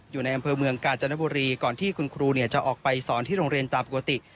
อยู่ในอำเภอเมืองกาญจนบุรีก่อนที่คุณครูจะออกไปสอนที่โรงเรียนตามปกติ